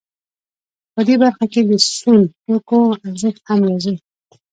په دې برخه کې د سون توکو ارزښت هم راځي